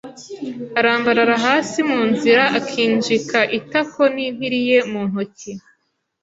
arambarara hasi mu nzira akinjika itakon'impiri ye mu ntoki